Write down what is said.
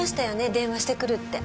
電話してくるって。